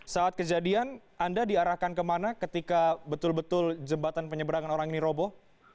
saat kejadian anda diarahkan kemana ketika betul betul jembatan penyeberangan orang ini robo